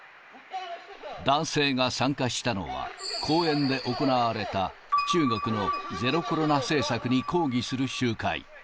男性が参加したのは、公園で行われた、中国のゼロコロナ政策に抗議する集会。